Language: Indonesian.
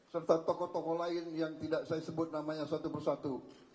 serta tokoh tokoh lain yang tidak saya sebut namanya satu persatu